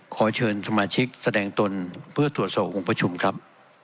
ขอเชิญสมาชิกแสดงตนเพื่อตรวจสอบองค์ประชุมครับ